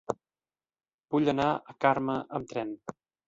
Vull anar a Carme amb tren.